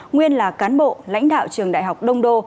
nguyên là cán bộ lãnh đạo trường đại học đông đô